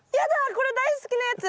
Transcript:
これ大好きなやつ。